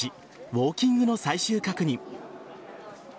ウォーキングの最終確認。